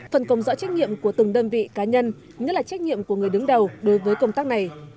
phần công rõ trách nhiệm của từng đơn vị cá nhân nhất là trách nhiệm của người đứng đầu đối với công tác này